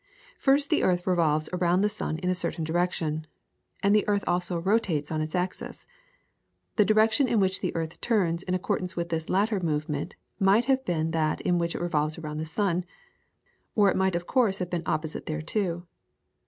First the earth revolves around the sun in a certain direction, and the earth also rotates on its axis. The direction in which the earth turns in accordance with this latter movement might have been that in which it revolves around the sun, or it might of course have been opposite thereto.